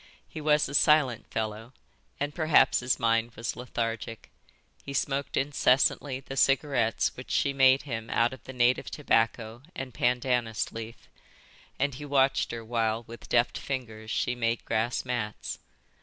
He was a silent fellow, and perhaps his mind was lethargic. He smoked incessantly the cigarettes which she made him out of the native tobacco and pandanus leaf, and he watched her while with deft fingers she made grass mats.